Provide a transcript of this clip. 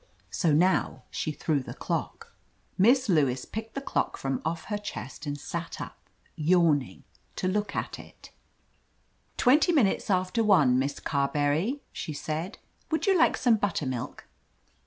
So now she threw the clock. )] Miss Lewis picked the dock from off her chest and sat up, yawning, to look at it. "Twenty minutes after one. Miss Carberry," she said. "Would you like some buttermilk?"